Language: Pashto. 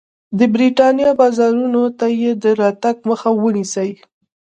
د برېټانیا بازارونو ته یې د راتګ مخه ونیسي.